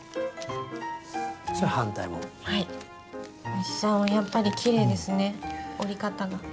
おじさんはやっぱりきれいですね折り方が。